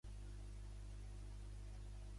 Folíols ovats acabats en punta, de color glauc.